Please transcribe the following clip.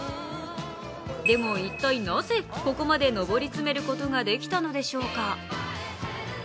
でも一体なぜここまで上り詰めることができたのでしょうか。